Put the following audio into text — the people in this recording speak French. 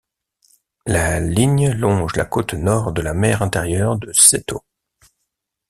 La ligne longe la côte nord de la mer intérieure de Seto.